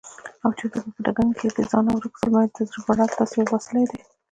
او چرته په دکن کښې دځانه ورک زلمي دزړه بړاس داسې وباسلے دے